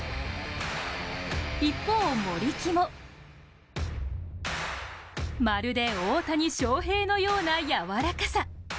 一方、森木もまるで大谷翔平のようなやわらかさ。